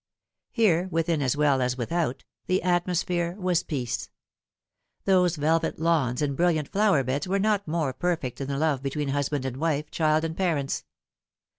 Here, within as well as without, the atmosphere was peace. Those velvet lawns and brilliant flower beda were not mora perfect than the love between husband and wife, child and parents.